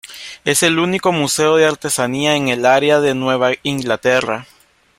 Es el único museo de artesanía en el área de Nueva Inglaterra.